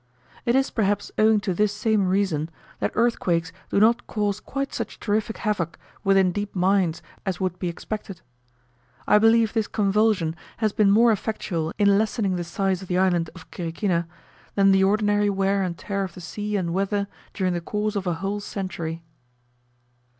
It is, perhaps, owing to this same reason, that earthquakes do not cause quite such terrific havoc within deep mines as would be expected. I believe this convulsion has been more effectual in lessening the size of the island of Quiriquina, than the ordinary wear and tear of the sea and weather during the course of a whole century.